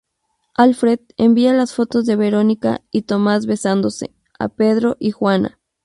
Alfred envía las fotos de Verónica y Tomás besándose, a Pedro y Juana.